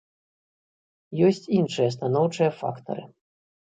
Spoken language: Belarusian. Ёсць іншыя станоўчыя фактары.